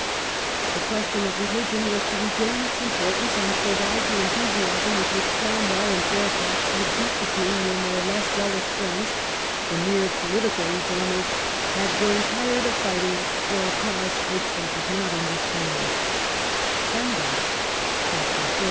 The question of religion was to regain its importance, and provide the enthusiasm with which Cromwell and Fairfax would beat the king when their less zealous friends, the mere political refor mers, had grown tired of fighting for a cause which they did not underst